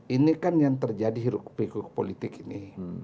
ini kan yang terjadi di rukun rukun politik ini